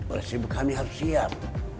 oleh sebab kami harus siap